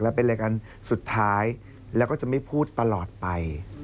และเป็นรายการสุดท้ายแล้วก็จะไม่พูดตลอดไป